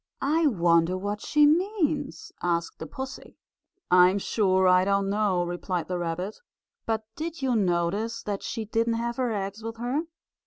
"I wonder what she means?" asked the pussy. "I'm sure I don't know," replied the rabbit. "But did you notice that she didn't have her eggs with her?"